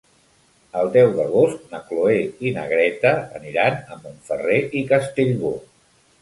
El deu d'agost na Cloè i na Greta aniran a Montferrer i Castellbò.